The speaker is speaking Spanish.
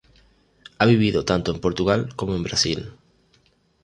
Ha vivido tanto en Portugal como en Brasil.